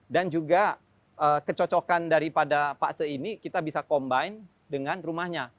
dan juga kecocokan daripada pa'ce ini kita bisa combine dengan rumahnya